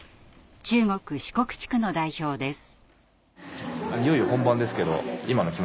中国・四国地区の代表です。